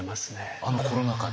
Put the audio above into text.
あのコロナ禍で？